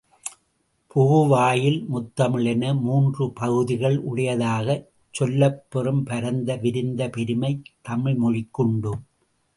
புகு வாயில் முத்தமிழ் என மூன்று பகுதிகள் உடையதாகச் சொல்லப்பெறும் பரந்த விரிந்த பெருமை தமிழ் மொழிக்கு உண்டு.